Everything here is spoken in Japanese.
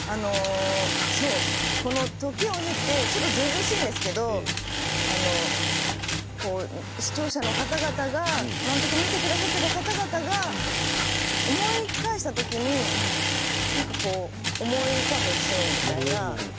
時を経て、ちょっとずうずうしいんですけれども視聴者の方々が「まんぷく」を見てくださった方々が思い返した時に、思い浮かぶシーンみたいな。